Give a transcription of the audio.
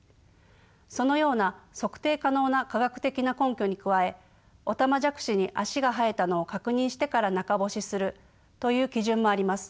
そのような測定可能な科学的な根拠に加えオタマジャクシに足が生えたのを確認してから中干しするという基準もあります。